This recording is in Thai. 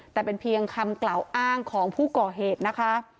แต่เป็นเพียงคำกล่าวอ้างของผู้ก่อเหตุนะคะ